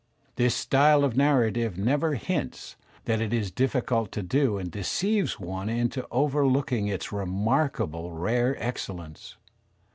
This style of narrative never hints that it is difficult to do and deceives one into over looking its remarkable rare excellence.